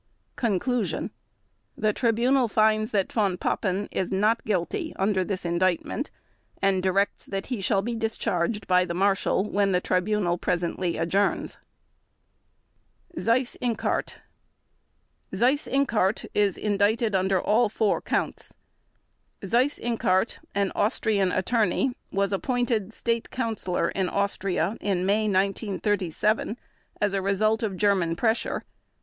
Conclusion The Tribunal finds that Von Papen is not guilty under this Indictment, and directs that he shall be discharged by the Marshal, when the Tribunal presently adjourns. SEYSS INQUART Seyss Inquart is indicted under all Four Counts. Seyss Inquart, an Austrian attorney, was appointed State Councillor in Austria in May 1937 as a result of German pressure.